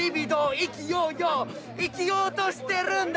意気揚々生きようとしてるんだ！